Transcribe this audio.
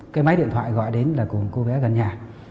cái máy điện thoại gọi đến là của một cô bé gần nhà